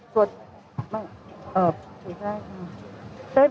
ขอบคุณครับ